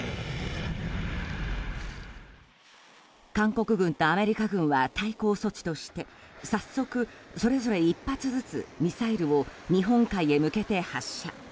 韓国軍とアメリカ軍は対抗措置として早速、それぞれ１発ずつミサイルを日本海へ向けて発射。